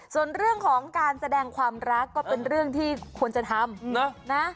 ส่วนเรื่องของการแสดงความรักก็เป็นเรื่องที่ควรจะทำนะนะ